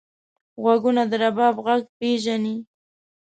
غوږونه د رباب غږ پېژني